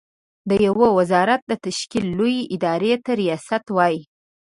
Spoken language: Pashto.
د يوه وزارت د تشکيل لويې ادارې ته ریاست وايې.